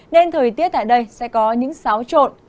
nên thời tiết tại đây sẽ có những xáo trộn